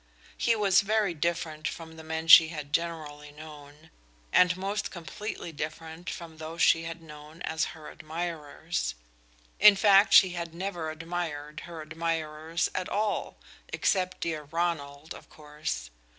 He was very different from the men she had generally known, and most completely different from those she had known as her admirers. In fact she had never admired her admirers at all, except dear Ronald, of course.